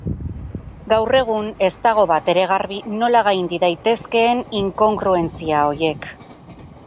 Gaur egun ez dago batere garbi nola gaindi daitezkeen inkongruentzia horiek.